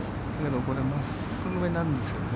これ真っすぐめなんですよね。